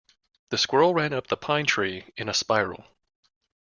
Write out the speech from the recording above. The squirrel ran up the pine tree in a spiral.